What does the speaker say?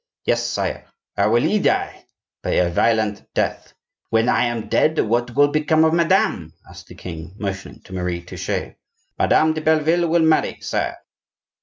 "Yes, sire." "How will he die?" "By a violent death." "When I am dead what will become of madame?" asked the king, motioning to Marie Touchet. "Madame de Belleville will marry, sire."